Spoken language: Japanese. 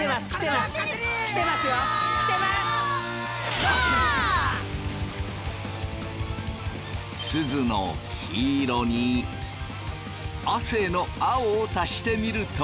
すずの黄色に亜生の青を足してみると。